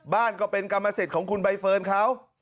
บ้านก็เป็นกรรมเศษของคุณใบเฟิร์นเขา